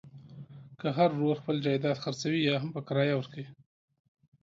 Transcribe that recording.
که هر ورور خپل جایداد خرڅوي یاهم په کرایه ورکوي.